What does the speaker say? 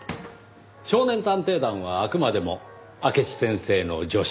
少年探偵団はあくまでも明智先生の助手。